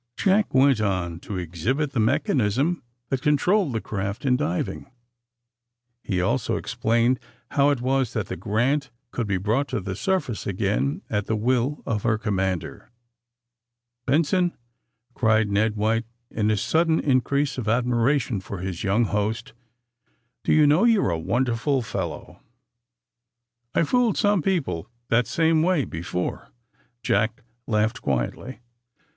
Jack went on to exhibit the mechanism that controlled the craft in diving. He also ex plained how it was that the "Grant" could be brought to the surface again at the will of her commander. "Benson," cried Ned White, in a sudden in crease of admiration for his young host, "do you know, you're a wonderful fellow 1" "I've fooled some people that same way bo fore," Jack laughed quietly.